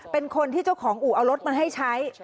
เป็นคนที่เจ้าของอู่เอารถมาให้ใช้